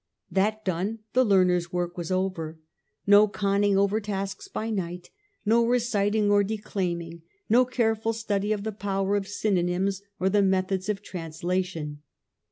That done, the learner's work was over ; no conning over tasks by night, no reciting or declaiming, no careful study of the power of synonyms or the methods of translation.